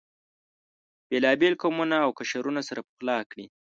بېلابېل قومونه او قشرونه سره پخلا کړي.